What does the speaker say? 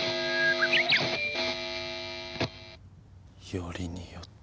よりによって。